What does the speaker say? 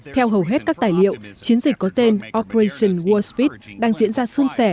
theo hầu hết các tài liệu chiến dịch có tên operation warp speed đang diễn ra xuân sẻ